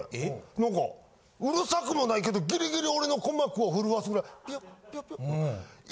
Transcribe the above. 何かうるさくもないけどギリギリ俺の鼓膜を震わすくらいピヨピヨピヨ。